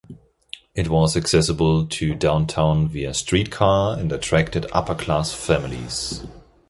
It was accessible to downtown via streetcar and attracted upper-class families.